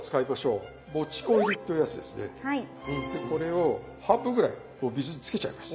これを半分ぐらい水につけちゃいます。